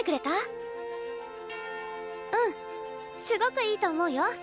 すごくいいと思うよ。